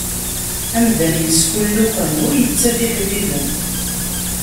Amdan isfulluqen, ur ittaf iḥbiben.